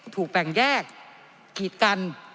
ถูกแบ่งแยกกีดกัน